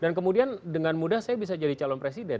dan kemudian dengan mudah saya bisa jadi calon presiden